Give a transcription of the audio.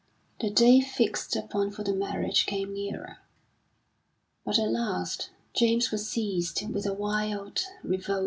The day fixed upon for the marriage came nearer. But at last James was seized with a wild revolt.